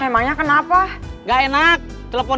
ada yang nelfon